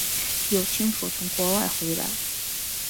有亲属从国外回来